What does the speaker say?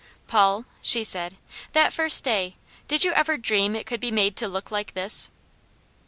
"Paul," she said, "that first day, did you ever dream it could be made to look like this?"